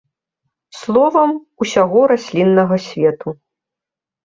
Словам, усяго расліннага свету.